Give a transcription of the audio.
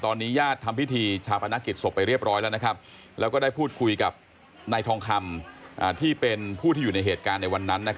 ตอนนี้ญาติทำพิธีชาปนกิจศพไปเรียบร้อยแล้วแล้วก็ได้พูดคุยกับนายทองคำที่เป็นผู้ที่อยู่ในเหตุการณ์ในวันนั้น